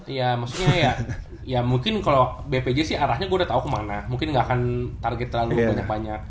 iya maksudnya ya mungkin kalo bpj sih arahnya gua udah tau kemana mungkin ga akan target terlalu banyak banyak